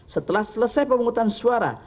setelah selesai pemungutan suara